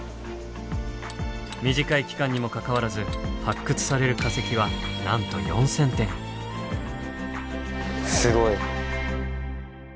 短い期間にもかかわらず発掘される化石はなんとすごい！